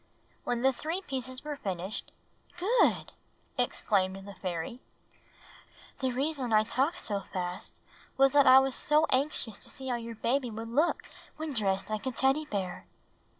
When the three pieces were finished, ''Good!" exclaimed the fairy. ''The reason that I talked so fast was that I was so anxious to see how your baby would look when dressed like a Teddy Bear."